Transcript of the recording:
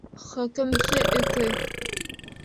ХӨКӨМСӨ ӨКӨ